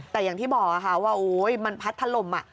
แต่อย่างที่บอก่ะว่าค่ะว่าโอ้ยมันพัดทะลมอะ